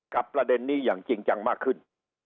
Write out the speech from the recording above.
ประเด็นนี้อย่างจริงจังมากขึ้น